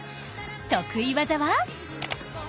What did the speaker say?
得意技は？